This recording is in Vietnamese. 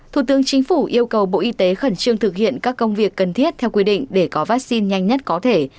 thủ tướng chính phủ yêu cầu bộ y tế khẩn trương thực hiện các công việc cần thiết theo quy định để có vaccine nhanh nhất có thể